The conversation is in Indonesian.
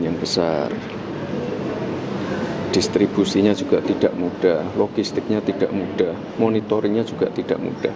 yang besar distribusinya juga tidak mudah logistiknya tidak mudah monitoringnya juga tidak mudah